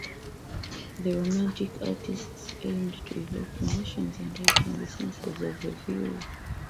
The romantic artists aimed to evoke emotions and heighten the senses of the viewer.